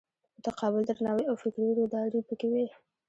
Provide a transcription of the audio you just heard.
متقابل درناوی او فکري روداري پکې وي.